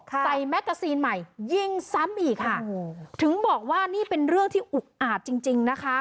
ใส่แม็กซีนใหม่ยิ่งซ้ำอีกค่ะถึงบอกว่านี่เป็นเรื่องที่อุกอาจจริงนะคะ